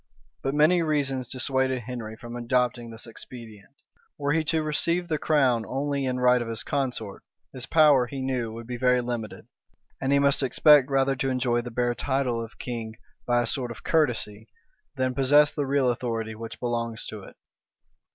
But many reasons dissuaded Henry from adopting this expedient. Were he to receive the crown only in right of his consort, his power, he knew, would be very limited; and he must expect rather to enjoy the bare title of king by a sort of courtesy, than possess the real authority which belongs to it.